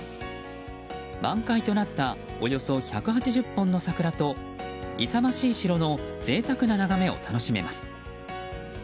満開となったおよそ１８０本の桜と勇ましい城の贅沢な眺めを楽しめます。